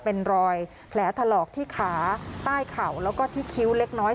เป็นรอยแผลถลอกที่ขาใต้เข่าแล้วก็ที่คิ้วเล็กน้อย